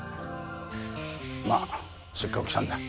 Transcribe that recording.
まあせっかく来たんだ。